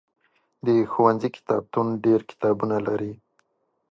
د ښوونځي کتابتون ډېر کتابونه لري.